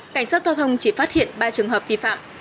cảnh sát giao thông chỉ phát hiện ba trường hợp vi phạm